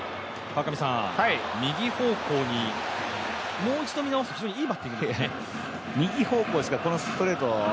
右方向に、もう一度見直すといいバッティングですね。